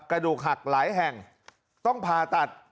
กระดูกหักหลายแห่งต้องผ่าตัด